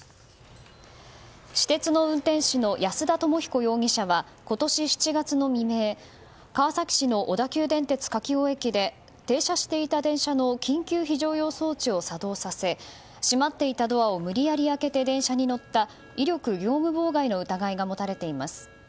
私鉄の運転士の保田知彦容疑者は今年７月の未明川崎市の小田急電鉄柿生駅で停車していた電車の緊急非常用装置を作動させ閉まっていたドアを無理やり開けて電車に乗った威力業務妨害の疑いが持たれています。